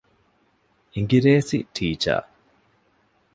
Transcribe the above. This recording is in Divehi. އިނގިރޭސި ޓީޗަރ